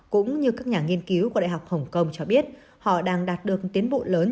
cũng như các nhà nghiên cứu của đại học hồng kông cho biết họ đang đạt được tiến bộ lớn